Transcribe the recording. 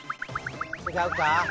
違うか？